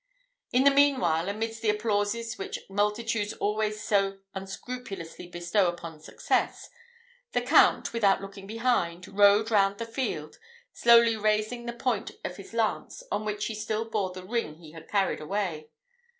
In the mean while, amidst the applauses which multitudes always so unscrupulously bestow upon success, the count, without looking behind, rode round the field, slowly raising the point of his lance, on which he still bore the ring he had carried away.